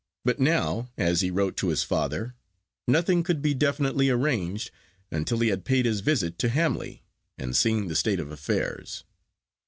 But now, as he wrote to his father, nothing could be definitely arranged until he had paid his visit to Hamley, and seen the state of affairs.